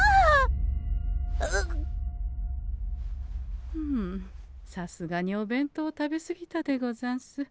ふうさすがにお弁当を食べ過ぎたでござんす。